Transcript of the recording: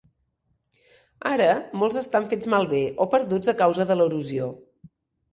Ara, molts estan fets malbé o perduts a causa de l'erosió.